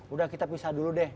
udah kita pisah dulu deh